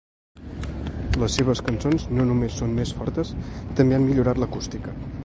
Les seves cançons no només són més fortes, també han millorat l'acústica.